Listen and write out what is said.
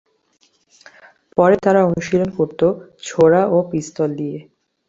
পরে তারা অনুশীলন করত ছোরা ও পিস্তল দিয়ে।